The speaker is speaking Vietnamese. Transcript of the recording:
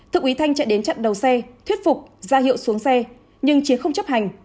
thượng úy thanh chạy đến chặn đầu xe thuyết phục ra hiệu xuống xe nhưng chiến không chấp hành